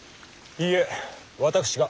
いいえ私が。